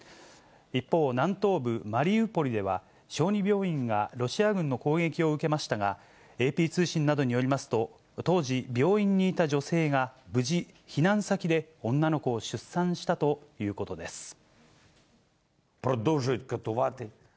一方、南東部マリウポリでは、小児病院がロシア軍の攻撃を受けましたが、ＡＰ通信などによりますと、当時、病院にいた女性が、無事、避難先で女の子を出産したということです。